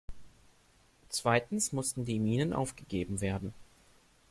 Zweitens mussten die Minen aufgegeben werden.